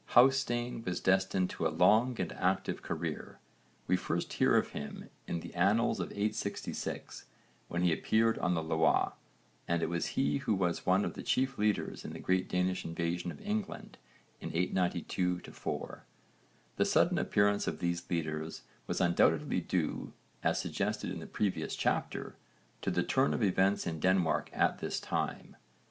Hásteinn was destined to a long and active career. We first hear of him in the annals in 866 when he appeared on the Loire, and it was he who was one of the chief leaders in the great Danish invasion of England in 892 4. The sudden appearance of these leaders was undoubtedly due, as suggested in the previous chapter, to the turn of events in Denmark at this time.